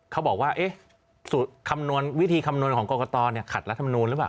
เขาบอกว่าคำนวณวิธีคำนวณของกรกตขัดรัฐมนูลหรือเปล่า